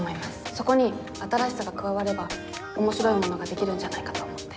そこに新しさが加われば面白いものができるんじゃないかと思って。